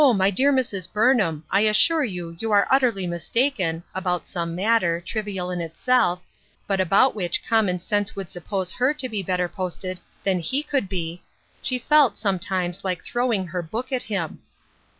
my dear Mrs. Burnham, I assure you, you are utterly mis taken," about some matter, trivial in itself, but about which common sense would suppose her to be better posted than he could be, she felt, some times, like throwing her book at him.